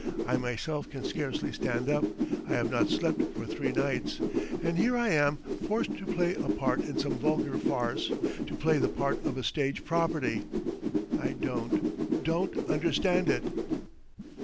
... I myself can scarcely stand up, I have not slept for three nights. ... And here I am forced to play a part in some vulgar farce, to play the part of a stage property! I don't ... don't understand it!"